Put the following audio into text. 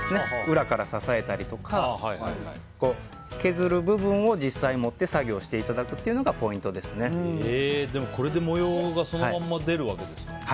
裏から支えたりとか削る部分を実際持って作業していただくことがでも、これで模様がそのまま出るわけですよね。